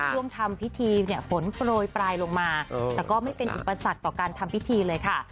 ทำพิธีเนี่ยฝนโปรยปลายลงมาแต่ก็ไม่เป็นอุปสรรคต่อการทำพิธีเลยค่ะ